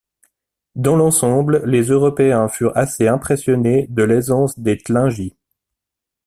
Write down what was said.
Dans l'ensemble, les Européens furent assez impressionnés de l'aisance des Tlingits.